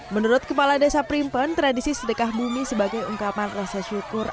menurut kepala desa primpan tradisi sedekah bumi sebagai ungkapan rasa syukur